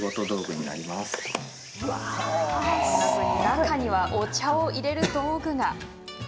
中には、お茶をいれる道具が。